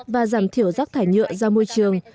và giảm thiểu rác thải nhựa ra môi trường